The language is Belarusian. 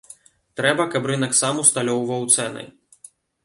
Трэба, каб рынак сам усталёўваў цэны.